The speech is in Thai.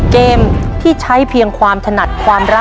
เกมที่ใช้เพียงความถนัดความรัก